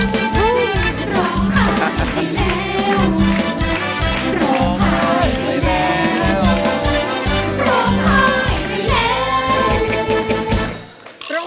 ร้องได้ให้ล้าง